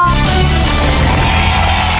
เย้